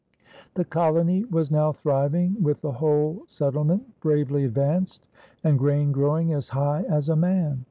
The colony was now thriving, with the whole settlement "bravely advanced" and grain growing as high as a man.